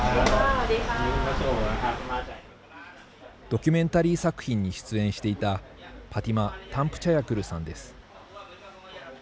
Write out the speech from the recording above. ドキュメンタリー作品に出演していたパティマ・タンプチャヤクルさんです。